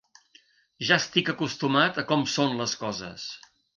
Ja estic acostumat a com són les coses.